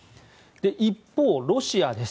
一方、ロシアです。